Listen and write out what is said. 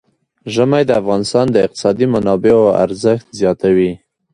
ژمی د افغانستان د اقتصادي منابعو ارزښت زیاتوي.